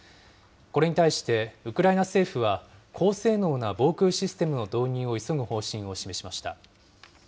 これに対して、ウクライナ政府は、高性能な防空システムの導入を急ぐ方針を示しました。